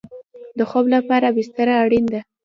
د خوب لپاره بستره اړین ده